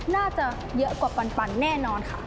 น่าจะเยอะกว่าปันแน่นอนค่ะ